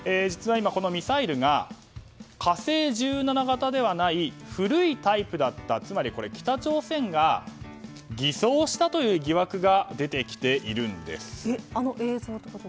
実は今、このミサイルが「火星１７」型ではない古いタイプだったつまり北朝鮮が偽装したという疑惑が出てきています。